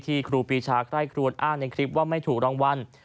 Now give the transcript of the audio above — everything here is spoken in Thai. ที่ครูปีชาใกล้คลวดอ้างในคลิปว่าไม่ถูกรองวัล